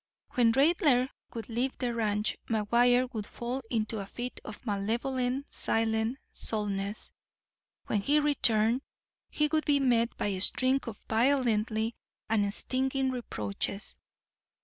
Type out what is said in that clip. When Raidler would leave the ranch McGuire would fall into a fit of malevolent, silent sullenness. When he returned, he would be met by a string of violent and stinging reproaches.